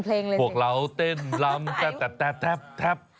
ปุ๊กเราเต้นร้ำแท็บ